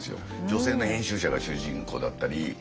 女性の編集者が主人公だったり。